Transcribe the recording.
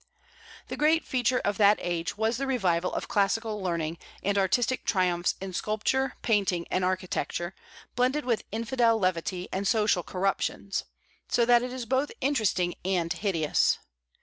The great feature of that age was the revival of classical learning and artistic triumphs in sculpture, painting, and architecture, blended with infidel levity and social corruptions, so that it is both interesting and hideous.